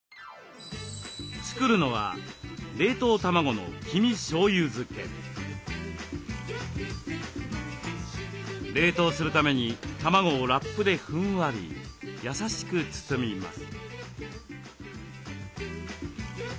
作るのは冷凍するために卵をラップでふんわり優しく包みます。